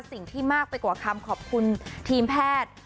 สิ่งที่มากไปกว่าคำขอบคุณทีมแพทย์